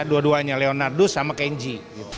dua duanya leonardo sama kenji